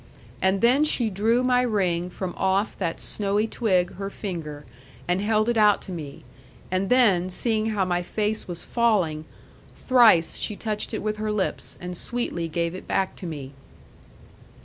And then she drew my ring from off that snowy twig her finger, and held it out to me; and then, seeing how my face was falling, thrice she touched it with her lips, and sweetly gave it back to me.